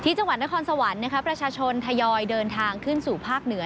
จังหวัดนครสวรรค์นะคะประชาชนทยอยเดินทางขึ้นสู่ภาคเหนือ